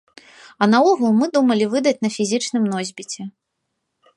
А наогул, мы думалі выдаць на фізічным носьбіце.